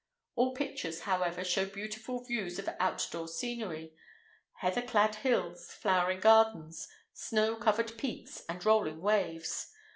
All pictures, however, show beautiful views of outdoor scenery: heather clad hills, flowering gardens, snow covered peaks, and rolling waves.